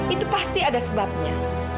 itu pasti ada sebabnya